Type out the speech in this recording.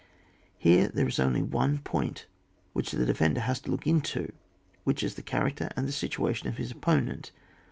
Here there is only one point almost which the defender has to look to, which is the character and the situation of his oppo nent.